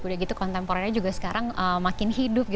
udah gitu kontemporernya juga sekarang makin hidup gitu